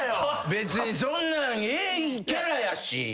別にそんなんキャラやし。